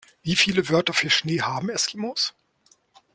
Wie viele Wörter für Schnee haben Eskimos?